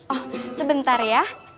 oh sebentar ya